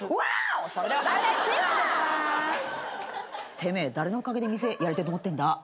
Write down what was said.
「てめえ誰のおかげで店やれてると思ってんだ」